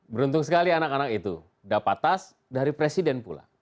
beruntung sekali anak anak itu dapat tas dari presiden pula